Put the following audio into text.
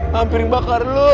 hampir bakar lo